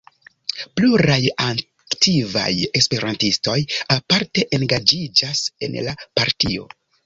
Pluraj aktivaj esperantistoj aparte engaĝiĝas en la partio.